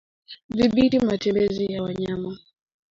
Dhibiti matembezi ya wanyama